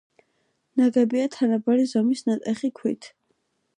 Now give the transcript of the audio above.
ნაგებია თანაბარი ზომის ნატეხი ქვით.